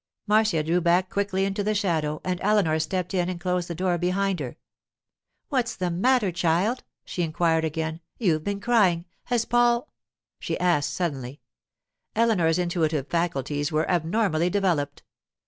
Marcia drew back quickly into the shadow, and Eleanor stepped in and closed the door behind her. 'What's the matter, child?' she inquired again. 'You've been crying! Has Paul——?' she asked suddenly. Eleanor's intuitive faculties were abnormally developed.